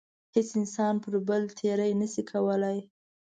هیڅ انسان پر بل تېرۍ نشي کولای.